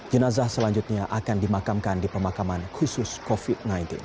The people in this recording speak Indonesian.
jenazah selanjutnya akan dimakamkan di pemakaman khusus covid sembilan belas